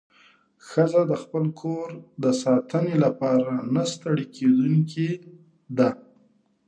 ښځه د خپل کور د ساتنې لپاره نه ستړې کېدونکې ده.